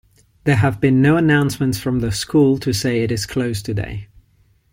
There have been no announcements from the school to say it is closed today.